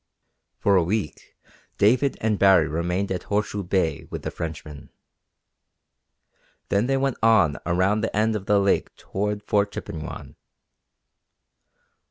For a week David and Baree remained at Horseshoe Bay with the Frenchman. Then they went on around the end of the lake toward Fort Chippewyan.